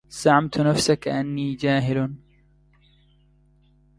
زعمت نفسك أني جاهل